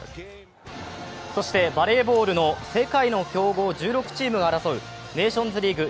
そしてバレーボールの世界の強豪１６チームが争うネーションズリーグ